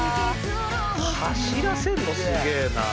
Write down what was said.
走らせんのすげえなあ。